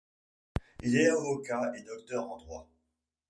Il est avocat et docteur en droit.